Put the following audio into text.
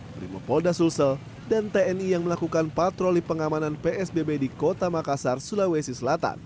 brimopolda sulsel dan tni yang melakukan patroli pengamanan psbb di kota makassar sulawesi selatan